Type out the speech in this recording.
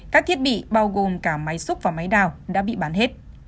các thiết bị bao gồm cả máy xúc và máy đào đã bị bán hết